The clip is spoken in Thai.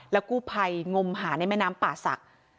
กู้ภัยงมหาในแม่น้ำป่าศักดิ์